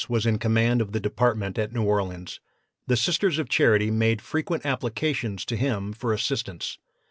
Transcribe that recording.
was in command of the department at New Orleans, the Sisters of Charity made frequent applications to him for assistance.